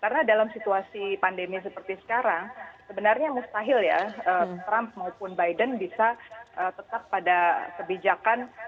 karena dalam situasi pandemi seperti sekarang sebenarnya mustahil ya trump maupun biden bisa tetap pada kebijakan